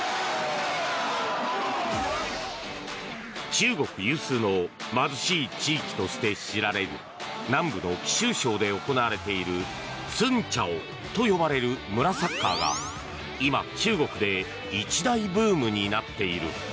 中国有数の貧しい地域として知られる南部の貴州省で行われている村超と呼ばれる村サッカーが今、中国で一大ブームになっている。